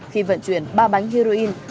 khi vận chuyển ba bánh heroin